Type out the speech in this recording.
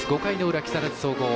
５回の裏、木更津総合。